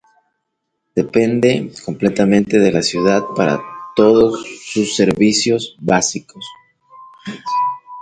Depende completamente de la ciudad para todos sus servicios básicos.